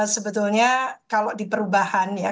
sebetulnya kalau di perubahan ya